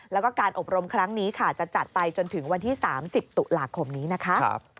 แล้วก็การอบรมครั้งนี้ค่ะจะจัดไปจนถึงวันที่๓๐ตุลาคมนี้นะคะ